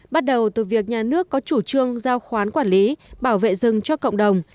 bắt đầu từ việc nhà nước có chủ trương giao khoán quản lý bảo vệ rừng cho cộng đồng